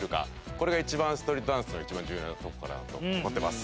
これがストリートダンスの一番重要なとこかなと思ってます。